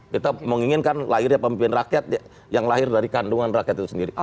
kita menginginkan lahirnya pemimpin rakyat yang lahir dari kandungan rakyat itu sendiri